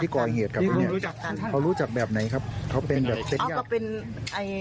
เขารู้จักแบบไหนครับเขาเป็นแบบเต็ดยา